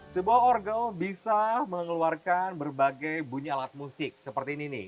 sebuah orgel bisa mengeluarkan berbagai bunyi alat musik seperti ini nih